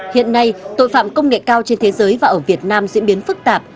hiện nay tội phạm công nghệ cao trên thế giới và ở việt nam diễn biến phức tạp